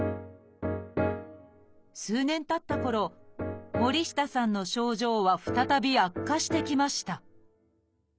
数年たったころ森下さんの症状は再び悪化してきました